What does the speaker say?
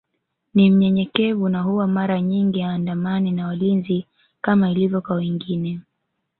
Ni mnyenyekevu na huwa mara nyingi haandamani na walinzi kama ilivyo kwa wengine